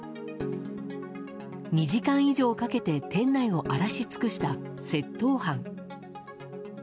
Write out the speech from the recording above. ２時間以上かけて店内を荒らし尽くした窃盗犯。